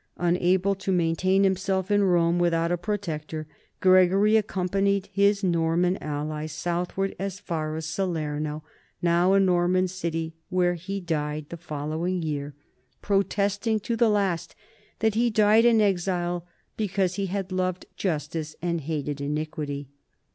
Unable to maintain himself in Rome without a protector, Gregory accompanied his Norman allies southward as far as Salerno, now a Norman city, where he died the following year, protesting to the last that he died in exile because he had "loved justice and hated iniquity."